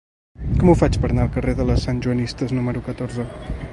Com ho faig per anar al carrer de les Santjoanistes número catorze?